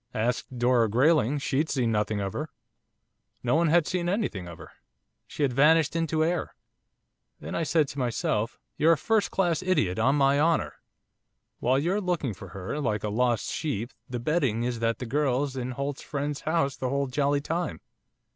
Asked Dora Grayling, she'd seen nothing of her. No one had seen anything of her, she had vanished into air. Then I said to myself, "You're a first class idiot, on my honour! While you're looking for her, like a lost sheep, the betting is that the girl's in Holt's friend's house the whole jolly time.